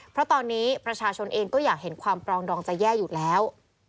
เพราะตอนนี้ประชาชนเองก็อยากเห็นความปรองดองจะแย่อยู่แล้ว